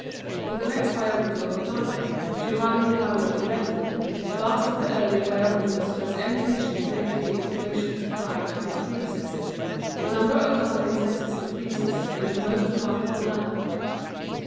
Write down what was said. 3 With the next biographer of Dante, Giovanni Mario Filelfo, the last of the early biographers who has any addition to make to the information supplied by his pre decessors, the number of Daute's letters increases in a most remarkable manner.